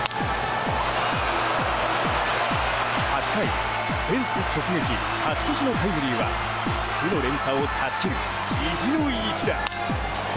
８回、フェンス直撃勝ち越しのタイムリーは負の連鎖を断ち切る意地の一打。